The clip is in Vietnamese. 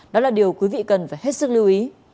đó là điều quý vị cần phải hết sức lưu ý